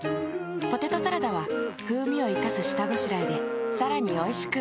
ポテトサラダは風味を活かす下ごしらえでさらに美味しく。